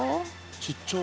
ちっちゃ。